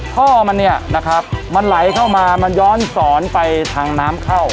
ท่อมันเนี่ยนะครับมันไหลเข้ามามันย้อนสอนไปทางน้ำเข้า